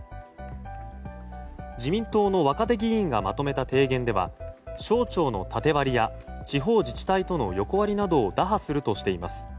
自民党の若手議員がまとめた提言では省庁の縦割りや地方自治体との横割りなどを打破するとしています。